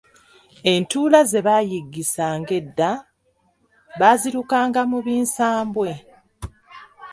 Entuula ze baayiggisanga edda baazirukanga mu binsambwe.